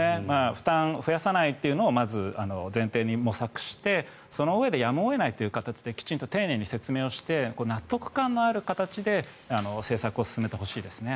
負担を増やさないというのをまず、前提に模索してそのうえでやむを得ないという形できちんと丁寧に説明して納得感のある形で政策を進めてほしいですね。